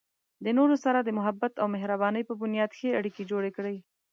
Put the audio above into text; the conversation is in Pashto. د نورو سره د محبت او مهربانۍ په بنیاد ښه اړیکې جوړې کړئ.